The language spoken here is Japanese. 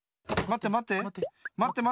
まってまって。